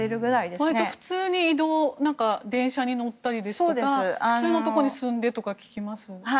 割と普通に移動を電車に乗ったりですとか普通のところに住んでいるなど聞きます。